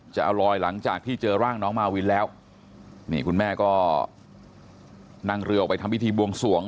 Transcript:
จะเอาลอยหลังจากที่เจอร่างน้องมาวินแล้วนี่คุณแม่ก็นั่งเรือออกไปทำพิธีบวงสวง